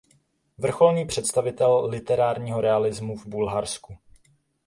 Vrcholný představitel literárního realismu v Bulharsku.